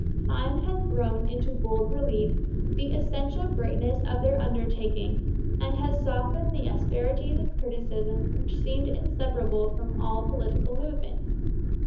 Time has thrown into bold relief the essential greatness of their undertaking and has softened the asperities of criticism which seem inseparable from all political movements.